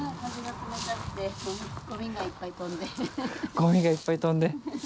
ごみがいっぱい飛んで。